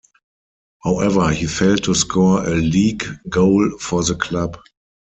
However, he failed to score a league goal for the club.